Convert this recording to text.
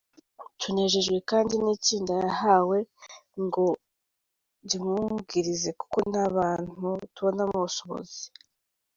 Tunejejwe kandi n’itsinda yahawe ngo rimwungirize kuko ni abantu tubonamo ubushobozi.